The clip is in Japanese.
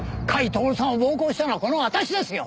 甲斐享さんを暴行したのはこの私ですよ！